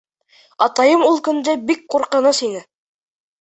Атайым ул көндө бик ҡурҡыныс ине.